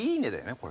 これ。